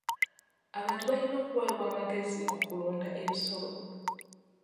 Abantu balina okuweebwa amagezi ku kulunda ebisolo.